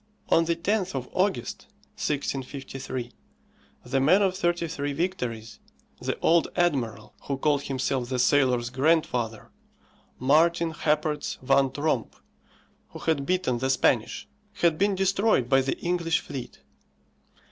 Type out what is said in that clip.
On the 10th of August, 1653, the man of thirty three victories, the old admiral who called himself the sailors' grandfather, Martin Happertz van Tromp, who had beaten the Spanish, had been destroyed by the English fleet.